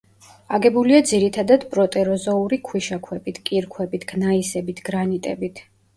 აგებულია ძირითადად პროტეროზოური ქვიშაქვებით, კირქვებით, გნაისებით, გრანიტებით.